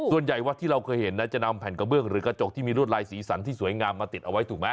วัดที่เราเคยเห็นนะจะนำแผ่นกระเบื้องหรือกระจกที่มีรวดลายสีสันที่สวยงามมาติดเอาไว้ถูกไหม